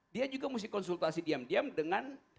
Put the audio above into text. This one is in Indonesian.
dia juga mesti konsultasi diam diam dengan